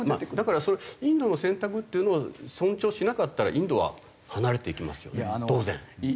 だからインドの選択っていうのを尊重しなかったらインドは離れていきますよね当然。